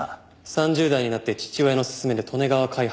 ３０代になって父親のすすめで利根川開発に就職。